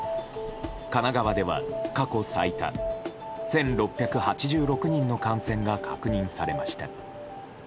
神奈川では過去最多１６８６人の感染が確認されました。